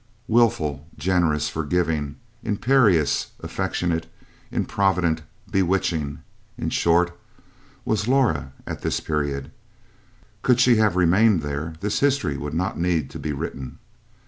Willful, generous, forgiving, imperious, affectionate, improvident, bewitching, in short was Laura at this period. Could she have remained there, this history would not need to be written.